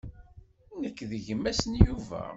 Nekk d gma-s n Yuba.